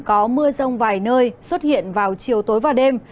có mưa rông vài nơi xuất hiện vào chiều tối và đêm